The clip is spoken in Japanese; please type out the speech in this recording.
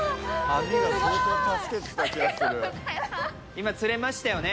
今釣れましたよね。